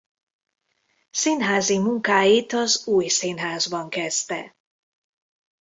Színházi munkáit az Új Színházban kezdte.